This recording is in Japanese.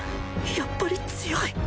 やっぱり強い！